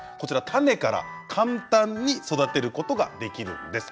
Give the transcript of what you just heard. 種から簡単に育てることができるんです。